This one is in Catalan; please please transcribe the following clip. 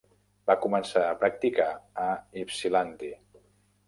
Va començar a practicar a Ypsilanti.